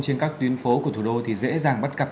trên các tuyến phố của thủ đô thì dễ dàng bắt gặp